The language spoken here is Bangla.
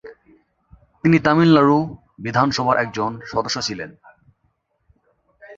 তিনি তামিলনাড়ু বিধানসভার একজন সদস্য ছিলেন।